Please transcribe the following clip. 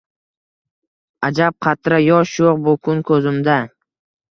Ajab, qatra yosh yo’q bu kun ko’zimda